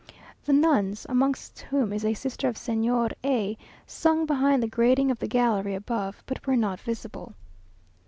The nuns, amongst whom is a sister of Señor A , sung behind the grating of the gallery above, but were not visible.